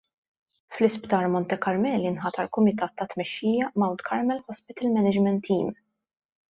Fl-Isptar Monte Carmeli inħatar kumitat ta' tmexxija Mount Carmel Hospital Management Team.